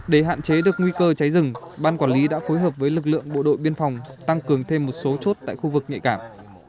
để hạn chế được nguy cơ cháy rừng ban quản lý đã phối hợp với lực lượng bộ đội biên phòng tăng cường thêm một số chốt tại khu vực nhạy cảm